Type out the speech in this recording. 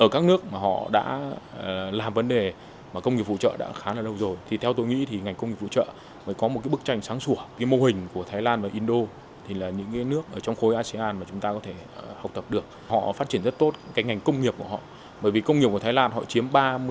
các doanh nghiệp ngành công nghiệp của họ bởi vì công nghiệp của thái lan họ chiếm ba mươi chín